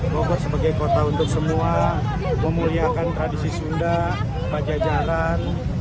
bogor sebagai kota untuk semua memuliakan tradisi sunda pajajaran